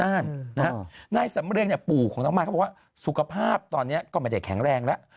นางให้สำเร็จปู่ของนางมากเพราะว่าสุขภาพตอนนี้ก็มาได้แข็งแรงแล้ว